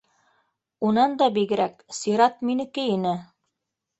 Унан да бигерәк, сират минеке ине